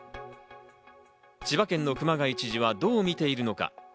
千葉県の熊谷知事はどう見ているのか。